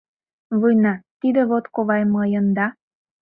Война — тиде вот, ковай мыйын, да!